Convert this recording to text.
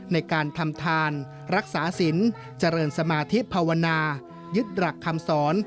ในการทำทานรักษาศิลป์เจริญสมาธิภาวนายึดหลักคำสอน